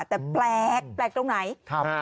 แต่แปลกแปลกตรงไหน